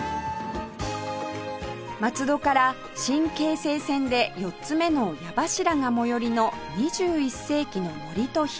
松戸から新京成線で４つ目の八柱が最寄りの２１世紀の森と広場